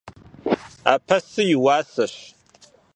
Апэсы и уасэщ.